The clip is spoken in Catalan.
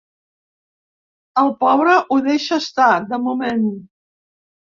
El pobre ho deixa estar, de moment.